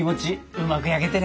うまく焼けてね。